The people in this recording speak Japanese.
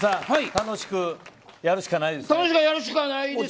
楽しくやるしかないですよ。